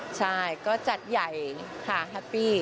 ใช่ก็จัดใหญ่ค่ะแฮปปี้